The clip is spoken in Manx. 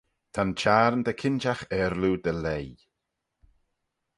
Ta'n Çhiarn dy kinjagh aarloo dy leih.